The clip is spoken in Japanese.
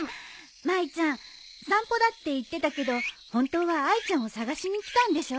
まいちゃん散歩だって言ってたけど本当はあいちゃんを捜しに来たんでしょ？